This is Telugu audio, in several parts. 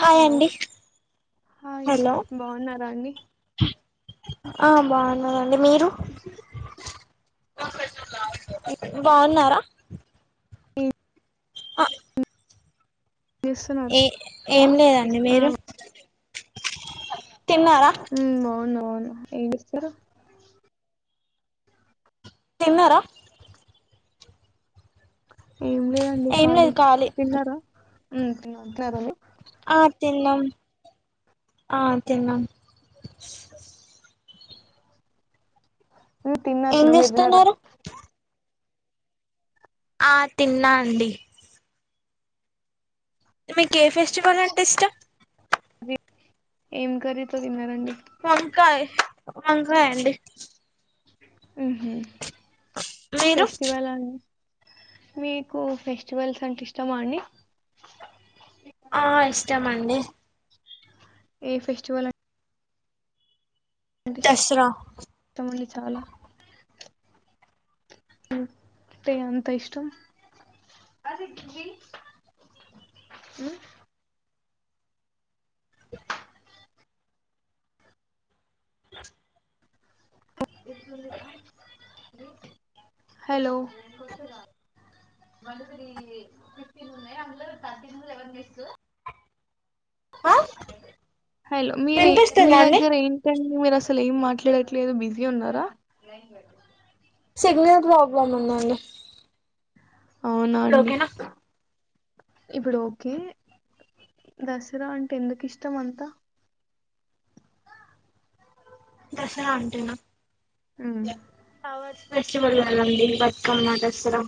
హాయ్ హలో అండి హాయ్ బాగున్నారా అండి హా బాగునమండి మీరు బాగున్నారా ఏ హ చేస్తున్నారు ఏ ఏం లేదండి ఆ మీరు తిన్నారా ఉ బాగున బాగున ఏం చేస్తారు తిన్నారా ఏం లేదండి ఏం ఖాళీ లేదు తిన్నారా ఉమ్ తినరండి [unintelligible] ఆ తిన్నాం ఆ తిన్నం తిన్న ఏం తిన మీరుతిన్నారా చేస్తున్నారు ఆ తిన్నా అండి మీకు ఏ ఫెస్టివల్ అంటే ఇష్టం ఏ ఏం కర్రీతో తిన్నారండి. వంకాయ్ వంకాయండి హుహు మీరు ఫెస్టివల్ ఆన్ మీకు ఫెస్టివల్స్ అంటే ఇష్టమాండి. ఆ ఇష్టమండి ఏ ఫెస్టివలా ఎంత దసరా ఇష్ట ముంది చాలా హు ట్టే అంత ఇష్టం హు హలో ఆ హలో మీరి మీ వినిపిస్తుందా అండి దగ్గర ఏంటండ్ ఊరసలు ఏం మాట్లాడట్లేదు బిజీ ఉన్నారా. సిగ్నల్ ప్రాబ్లమ్ ఉందండి. అవునా ఇప్పుడు అండి ఓకేనా ఇప్పుడు ఒకే దసరా అంటే ఎందుకు ఇష్టం అంతా దసరా అంటేనా ఉహ ఫ్లవర్స్ ఫెస్టివల్ కదండీ బతుకమ్మ దసరా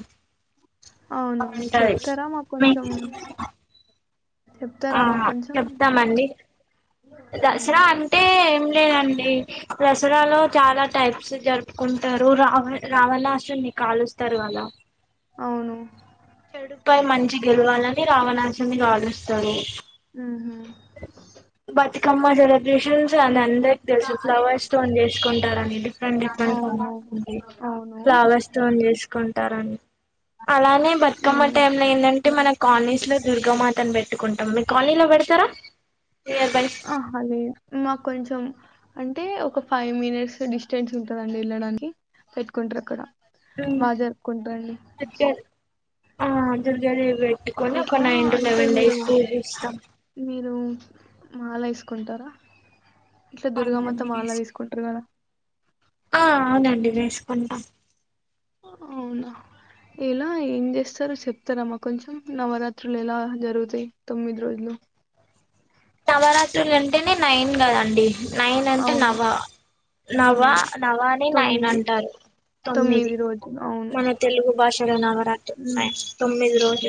అవును బాగుంటది చెప్తారా మా కొంచం ఆహా చెప్తామండి దసరా ఉమ్. అంటే లేదండి. దసరాలో చాలా టైప్స్ జరుపుకుంటారు. రావ రావణాసుర్ని కాలుస్తారు. కదా అవును చెడుపై మంచి గెలవాలని రావణాసున్ని కాలుస్తరు. ఉహు బతుకమ్మ సెలబ్రేషన్స్ అన్ అందరికి తెలుసు ఫ్లవర్స్ తోన్ చేసుకుంటారని డిఫరెంట్ డిఫరెంట్ అవును ఫ్లవర్స్ తోటి అవును ఫ్లవర్స్ తోన్ చేసుకు తరని అలానే బతుకమ్మ ఉమ్ టైంలో ఎందంటే మనక్ కాల్నిస్లో దుర్గామాతను పెట్టుకుంటాం. మీ కాల్నిలో పెడతారా నియర్ బై ఆహా లేద్ మాకొంచం అంటే ఒక ఫైవ్ మినిట్స్ డిస్టెన్స్ ఉంటందండి. ఏళ్ళడానికి పెట్టుకుంటరు. అక్కడ మా జరుపుకుంటరండి దుర్గా ఆ దుర్గాదేవి పెట్టుకొని ఒక నైన్ టు అంటే లెవెన్ మీరు డేస్ పూజిస్తాం. మీరు మాల ఎసుకుంటారా అవునండి ఆ అవునండి వేసుకుంటాం అవునా ఎలా ఏం చేస్తారు చెప్తారమాకొంచెం నవరాత్రులు ఎలా జరుగుతయి తొమ్మిది రోజులు నవరాత్రులు అంటేనే నైన్ కదండి నైన్ అంటే అవును నవ నవా ఉమ్ నవాని నైన్ తొమ్మిది అంటారు తొమ్మిది రోజులు అవును మన తెలుగు భాషలో నవరాత్రి ఉమ్ నైన్ తొమ్మిది రోజు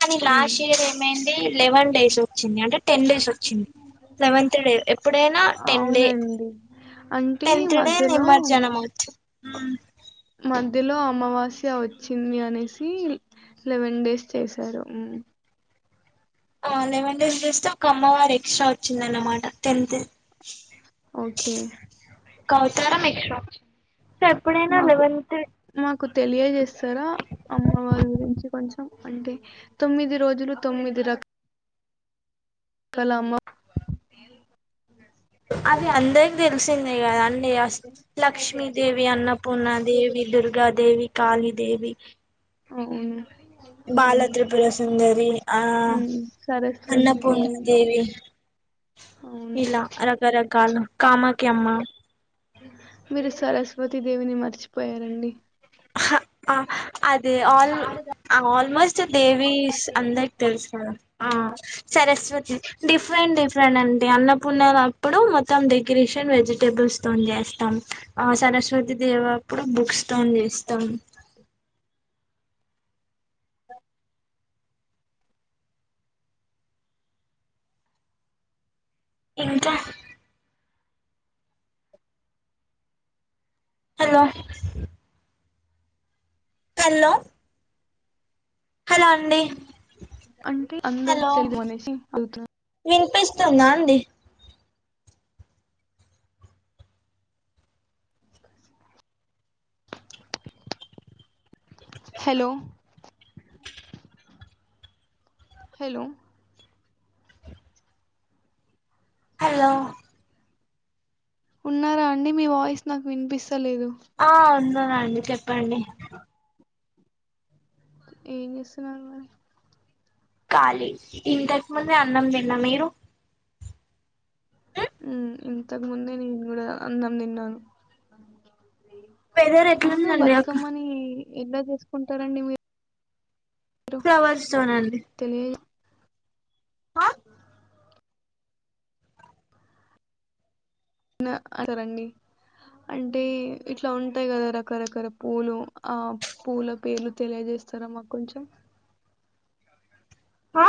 కని ఉమ్ లాష్ ఇయర్ ఏమైన్ ఎ లెవెన్ డేస్ వచ్చింది అంటే టెన్ డేసు లెవంత్ డే ఎప్పుడైనా టెన్ డే అవునండి అంటే టెన్త్ డే మధ్యలో నిమ్మర్జనమ అవుతుంది మధ్యలో అమావాస్య వచ్చింది అనేసి లెవెన్ డేస్ చేశారు లెవెన్ టె చేస్తే ఒక అమ్మ వారి ఎక్స్ట్రా వచ్చిందన్ననమాట టెన్త్ ఓకే షాప్ మాకు మాకు తెలియజేస్తారా అమ్మ వాళ్ళ గురించి కొంచెం అంటే తొమ్మిది రోజులు తొమ్మిది రకాలు కలామా అది అందరికి తెలిసిందే కదా అస్ లక్ష్మీ దేవి అన్న పూర్న దేవి దుర్గాదేవి కాళిదేవి అవును బాల త్రిపుర సుందరి ఆ ఉమ్ సరస్వతి దేవి అన్నపూర్ణదేవి అవును ఇలా రకరకాలు కామాకి అమ్మ మీరు సరస్వతీ దేవిని మర్చిపోయారండి ఆహా ఆ అదే ఆల్ అల్ మస్ దేవీస్ అందరికి తెలుసు కదా ఆ సరస్వతి డిఫరెంట్ డిఫరెంట్ అంటే అన్న పూన్నా లప్పుడు మొత్తం డెకిరిషన్ వెజిటేబుల్స్ తోని చేస్తాం ఆ సరస్వతి దేవి అప్పుడు బుక్స్ తోని చేస్తాం త్తం ఇంకా హలో హల్లో హలో అండి అంటే అందరికి తెలుగు అనేసి అవుతుంది పిస్తుందా అండీ హలో హలో హలో ఉన్నారా అండి. మీ వాయిస్ నాకు వినిపిస్ ఆ ఉన్నా అండి చెప్ ప్పండి. ఏం చేస్తున్నారు మరి. ఖాళీ, ఇంతకు ముందే అన్నం తిన్నా. మీరు? ఉ ఇంతకు ముందే నేను కూడా అన్నం తిన్నాను. వెదర్ అవును ఎట్లుదండి అక్క బతుకమ్మని ఎలా చేసుకుంటారండి మీరు? ఫ్లవర్ స్టోన్ అండి. ఉ న్నా అంటారండి. అంటే ఇట్లా ఉంటాయి కదా రకరకాల పూలు ఆ పూల పేర్లు తెలియజేస్తారా మాకు కొంచెం. ఆ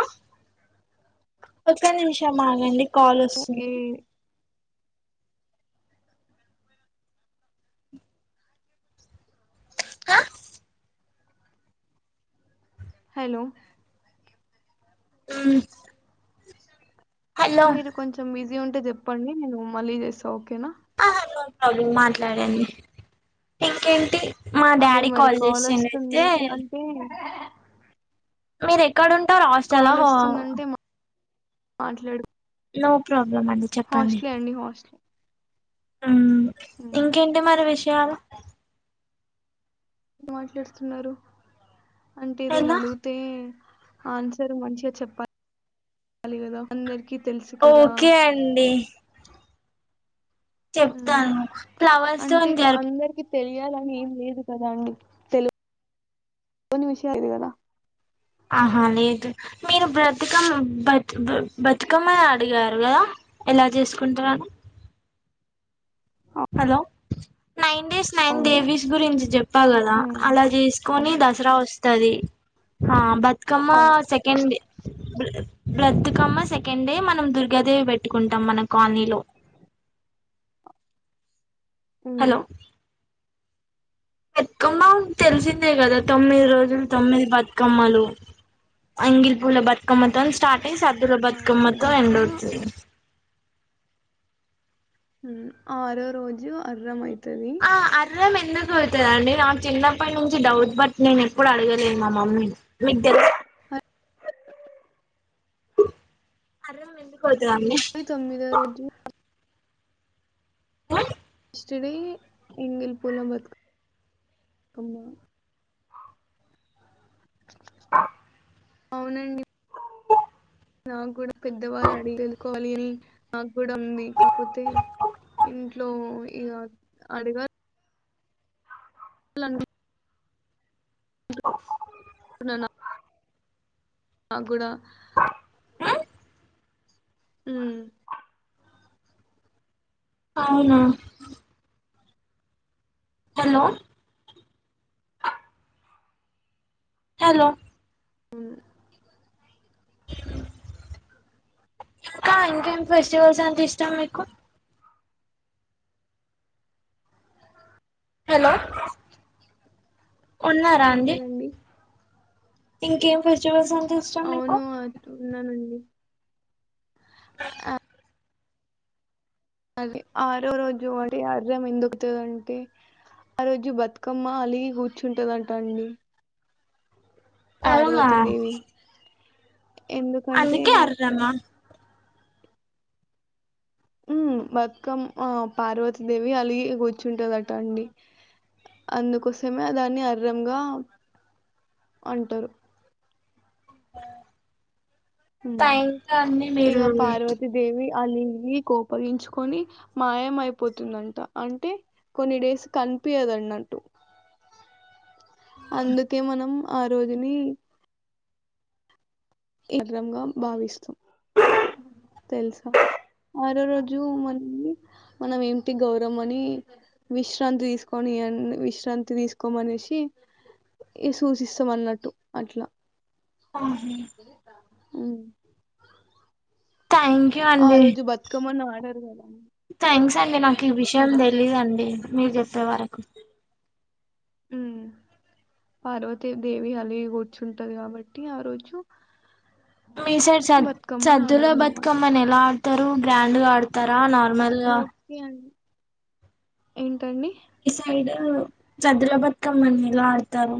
ఒక్క నిమిషమ్ ఆగండి. కాల్ ఏ వస్తుంది. హ హలో [unintelligible] హలో మీరు కొంచెం బి జి ఉంటే చెప్పండి నేను మళ్ళీ చేస్తా ఓకేనా. ఆ నో ప్రాబ్లం మాట్లాడండి. ఇంకేంటి? మా అదే డాడీ మరి కాల్ చేసిండు అయితే వస్తుంది అంటే మీరే క్కడ ఉంటారు హాస్టలా వా కాలొస్తుందంటే మాట్లాడు. నో ప్రాబ్ హాస్ట్లే అండి హాస్ట్లే హ్ ఇంకేంటి మరి విషయాలు. మాట్లాడుతున్నారు. అంటే ఎదైనా ఎలా అడుగుతే ఆన్సర్ మంచిగా చెప్పాలి కదా అందరికి తెలుసు ఓకే అండి. హ్మ్. చెప్తాను ఫ్లవర్స్ అంటే గురించి కొ అడిగి అందరికీ తెలియాలని ఏం లేదు కదా అండి. తెలు వని విషయం ఇది కదా. ఆహా లేదు మీరు బ్రతుకమ్ బ బతుకమ్మ అడిగారు కదా ఎలా చేసుకుంటరని హలో నైన్ డేస్ నైన్ అవును. డేవీస్ గురించి చెప్పాలా రా హ్మ్. అలా చేసుకొని అవును. దసరా వస్తది ఆ బతుకమ్మ అవును. సెకండ్ డే బ్రత్ కమ్మ సెకండ్ డే మనం దుర్గాదేవి పెట్టుకుంటాం మన కాలనీలో హ్మ్. హలో బతుకమ్మ తెలిసిందే కదా తొమ్మిది రోజులు తొమ్మిది బతుకమ్మలు అంగిలి పూల బతుకమ్మతో స్టార్ట్ ఈ సద్దుల అవును. బతుకమ్మతో దాంట్లో ఎండవుతది హ్మ్ ఆరో రోజు అర్ర మై ఆ అర్రం ఎందుకు [inaudible] అండి నా చిన్నప్పటి నుంచి డౌట్ బట్ నేను ఎప్పుడు అడగలేదు మా మమ్మీని మీకు తెలుసా [inaudible] ఇది తొమ్మదో రోజు షిడి ఎంగిల్ పోల బత్ కమ్మా అవునండి [inaudible] నా గూడ పెద్దవాళ్ అడిగ్ తెల్ కోవాలి అని అగ్ కూడా ఉంది కాకపోతే ఇన్ ఇట్లో ఇగ అడగా లన్ [inaudible] ఉన్నాన్న్ నా గూడ ఉమ్ అవునా హలో హలో అ ఇంకా ఇంకేం ఫెస్టివల్స్ అంటే ఇష్టం మీకు హలో ఉన్నారా అండి ఏంటిదండి ఇంకేం ఫె అవును అట్టున్నా నండి [inaudible] అది ఆరో రోజు అంటే అర్రం ఎందుొకుతదింటే, ఆ రోజు బతుకమ్మ అలిగి కూర్చుంట దంట అండి అవునా పార్వతిదేవి అందుకే అర్ర మా ఉమ్ బతుకమ్ ఆ పార్వతీదేవి అలాగ కూర్చుంటుందిట అండి అందుకోసమే దాన్ని అర్రంగా అంటరు ఉమ్. థాంక్స్ అండి ఇక మీరు పార్వతీదేవి అలిగి కోపగించుకొని మాయ అయిపోతుందంట అంటే కొన్ని డేస్ కనిపియదు అన్నట్టు. అందుకే మనం ఆ రోజుని ఇగ్రంగా భావిస్తాం తెలుసా ఆరో రోజు మన మనం ఏటి గౌరవం అని విశ్రాంతి తీసుకొని విశ్రాంతి తీసుకోమనేసి సూచిస్తాం అన్నట్టు అట్లా. హ్మ్మ్ హ్మ్మ్ థ్యాంక్ యూ ఆ అండి రోజు బతుకమ్మని ఆడరు కదా సండే నా ఈ విషయం కదా తెలీదండి మీరు చెప్పే వరకు హ్మ్ పార్వతీ దేవి అలిగి కూర్చుంటది కాబట్టి ఆరోజు మీ సైడ్ సద్ సద్దులా ఆడరన్నమాట బతుకమ్మని ఎలా తారు గ్రాండ్ గా ఆడతారా నా ర్మల్‌గా ఓకే అండి ఏంటండి మీ సైడు సద్దుల బతుకమ్మని ఎలా ఆడుతారు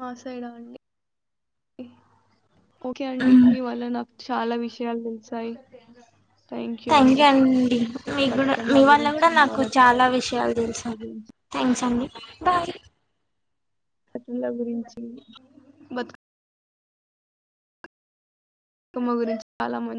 మా సైడ్ [unintelligible] అండి ఓకే అండి మ్మ్ మీ వల్ల నాక్ చాలా విషయాలు తెలిసాయి థ్యాంక్ యూ అండి మీకు గునా బతుకమ్మ మీవాళ్ళ గురించి కూడా నాకు నవరత్నాల చాలా విషయాలు తెలుసాయి గురించి థ్యాంక్స్ అండి. బాయ్ రాత్రుల గురించి బతుక మ్మ గురించి చాలామన్